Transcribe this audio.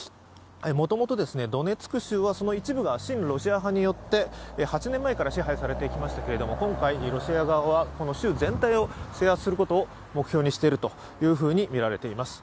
もともとドネツク州はその一部が親ロシア派によって８年前から支配されてきましたけど今回、ロシア側はこの州全体を制圧することを目標にしているとみられています。